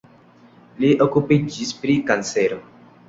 Li okupiĝis pri kancero.